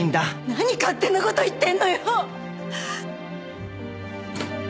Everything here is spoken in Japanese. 何勝手な事言ってんのよ！